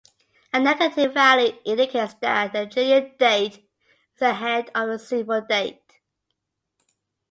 A negative value indicates that the Julian date is ahead of the civil date.